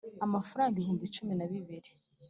Amafaranga ibihumbi cumi na bine